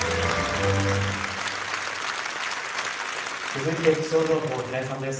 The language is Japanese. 続いて気象情報、平井さんです。